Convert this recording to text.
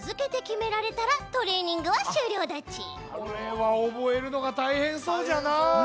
これはおぼえるのがたいへんそうじゃなあ。